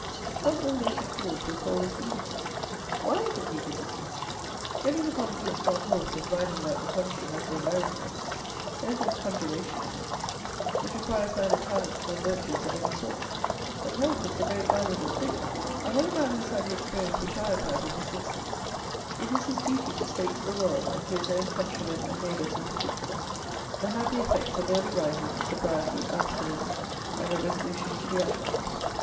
Some ill natured fools will call this "egotism." Why is it egotism? Getting upon a good strong horse, and riding about the country has no merit in it; there is no conjuration in it; it requires neither talents nor virtues of any sort; but health is a very valuable thing; and when a man has had the experience which I have had in this instance, it is his duty to state to the world and to his own countrymen and neighbours in particular, the happy effects of early rising, sobriety, abstinence and a resolution to be active.